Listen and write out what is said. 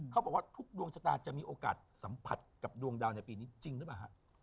เขาบอกว่าทุกดวงชะตาจะมีโอกาสสัมผัสกับดวงดาวในปีนี้จริงหรือเปล่าฮะ